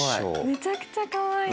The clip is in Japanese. めちゃくちゃかわいい。